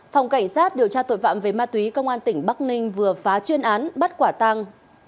phòng cảnh sát điều tra tội vạm về ma túy công an tp hcm vừa phá chuyên án bắt quả tăng